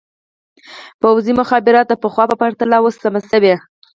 پوځي مخابره د پخوا په پرتله اوس سمه شوې.